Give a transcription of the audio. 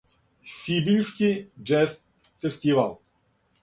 Сибиљски џез фестивал.